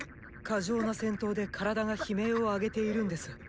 過剰な戦闘で体が悲鳴をあげているんです。